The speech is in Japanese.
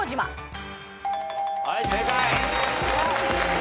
はい正解。